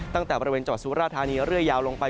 ตั้งแต่บริเวณจอดสุราธานีเรื่อยยาวลงไป